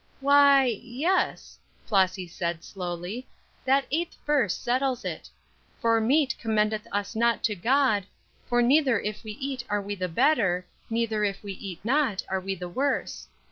"Why, yes," Flossy said, slowly, "that eighth verse settles it: 'For meat commendeth us not to God, for neither if we eat are we the better, neither if we eat not are we the worse.'